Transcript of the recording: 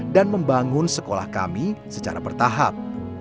dan membangun sekolah kami secara bertahap